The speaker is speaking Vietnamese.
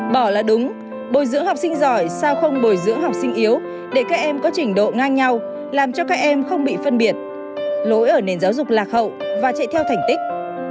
bỏ là đúng bồi dưỡng học sinh giỏi sao không bồi dưỡng học sinh yếu để các em có trình độ ngang nhau làm cho các em không bị phân biệt lỗi ở nền giáo dục lạc hậu và chạy theo thành tích